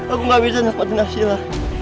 aku gak bisa nempatin hasilnya